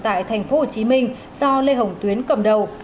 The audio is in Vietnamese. tại tp hcm do lê hồng tuyến cầm đầu